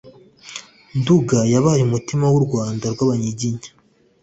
Nduga yabaye umutima w'u Rwanda rw'Abanyiginya